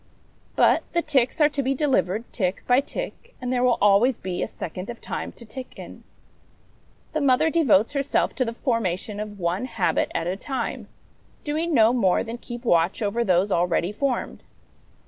But the ticks are to be delivered tick by tick, and there will always be a second of time to tick in. The mother devotes herself to the formation of one habit at a time, doing no more than keep watch over those already formed.